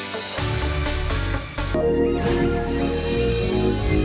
sampai jumpa lagi